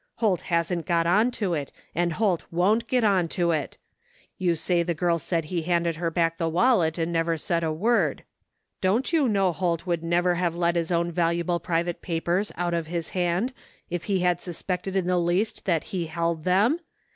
" Holt hasn't got onto it, and Holt won't get onto it You say the girl said he handed her back the wallet and 115 THE FINDING OF JASPER HOLT never said a word. Don't you know Holt would never have let his own valuable private papers out of his hand if he had suspected in the least that he held them?